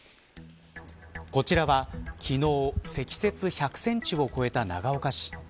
こちらは昨日積雪１００センチを超えた長岡市。